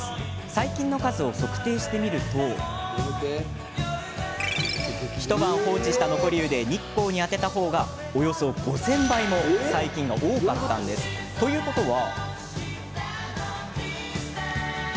細菌の数を測定してみると一晩放置した残り湯で日光に当てた方がおよそ５０００倍も細菌が多かったんです。ということは。